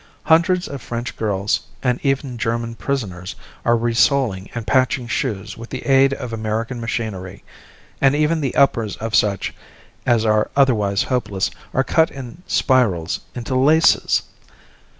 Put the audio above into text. Hundreds of French girls and even German prisoners are resoling and patching shoes with the aid of American machinery, and even the uppers of such as are otherwise hopeless are cut in spirals into laces.